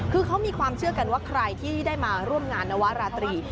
คือเขามีความเชื่อกันว่าใครที่ได้มาร่วมงานนวราตรี